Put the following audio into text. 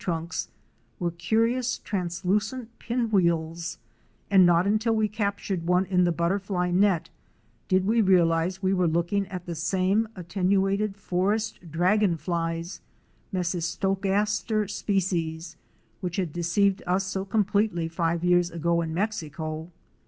Spin trunks, were curious translucent pin wheels, and not until we captured one in the butterfly net did we realize we were looking at the same attenuated forest dragon flies (Mecisto gaster sp.) which had deceived us so completely five years ago in Mexico.